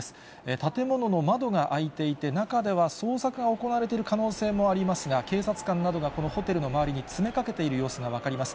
建物の窓が開いていて、中では捜索が行われている可能性もありますが、警察官などがこのホテルの周りに詰めかけている様子が分かります。